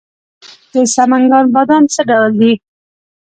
د سمنګان بادام څه ډول دي؟